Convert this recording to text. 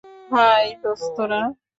High, দোস্তরা।